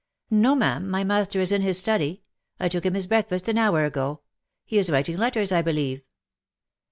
" No, ma'am, my master is in his study. I took him his breakfast an hour ago. He is writing letters, I believe.